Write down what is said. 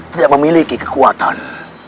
tidak memiliki kekuatan